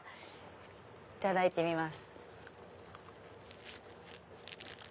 いただいてみます。